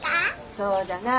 そうじゃなあ